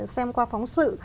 xem qua phóng sự